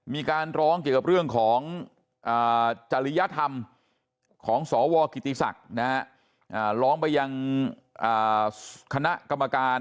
มีการร้องเกี่ยวกับเรื่องของจริยธรรมของสวกิติศักดิ์ร้องไปยังคณะกรรมการ